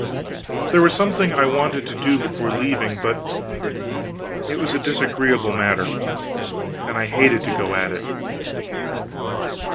There was something I wanted to do before leaving, but it was a disagreeable matter, and I hated to go at it.